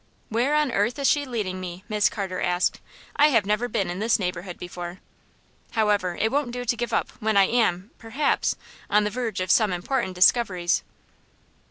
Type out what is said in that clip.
"Where on earth is she leading me?" Miss Carter asked herself. "I have never been in this neighborhood before. However, it won't do to give up, when I am, perhaps, on the verge of some important discoveries."